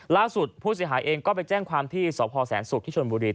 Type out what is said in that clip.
ล่าสุดผู้เสียหายเองก็ไปแจ้งความที่สพแสนศุกร์ที่ชนบุรี